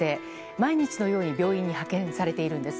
毎日のように病院に派遣されているんです。